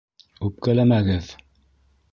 Үпкәләмәгеҙ!